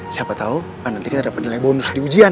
siapa tau nanti kita dapet nilai bonus di ujian